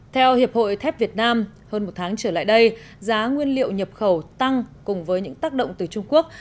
theo hiệp hội thép việt nam hơn một tháng trở lại đây giá nguyên liệu nhập khẩu tăng cùng với những tác động từ trung quốc